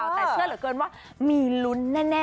แต่เชื่อเหลือเกินว่ามีลุ้นแน่